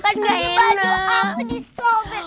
nanti baju aku disobet